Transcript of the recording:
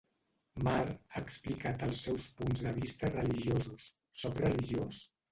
Marr ha explicat els seus punts de vista religiosos: Soc religiós?